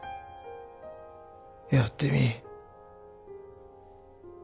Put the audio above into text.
やってみい。